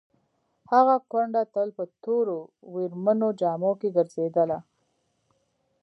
هغه کونډه تل په تورو ویرمنو جامو کې ګرځېدله.